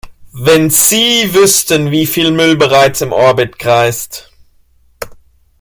Wenn Sie wüssten, wie viel Müll bereits im Orbit kreist!